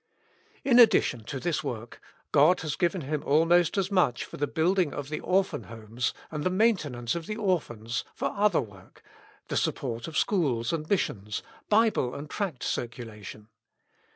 In addition to this work, God has given him almost as much as for the building of the Orphan Homes, and the maintenance of the orphans, for other work, the support of schools and mis sions, Bible and tract circulation.